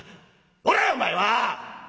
「こらお前は！